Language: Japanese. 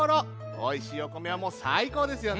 おいしいお米はさいこうですよね。